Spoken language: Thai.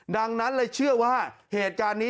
ดังนั้นเลยเชื่อว่าเหตุการณ์นี้